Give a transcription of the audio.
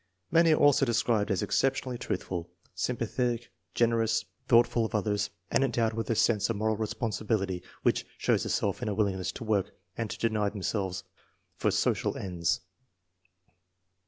Many are also described as exceptionally truthful, sympathetic, generous, thoughtful of others, and en dowed with a sense of moral responsibility which shows itself in a willingness to work and to deny them selves for social ends.